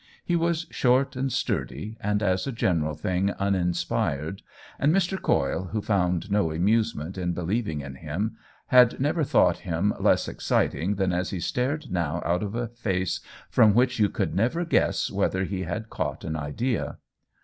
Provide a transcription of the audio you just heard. He was short and sturdy, and, as a general thing, uninspired, and Mr. Coyle, who found no amusement in believing in him, had never thought him less exciting than as he stared now out of a face from which you could never guess whether he had caught an idea.